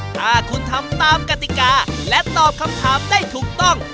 ถ้าคุณทำตามกติกาและตอบคำถามได้ถูกต้อง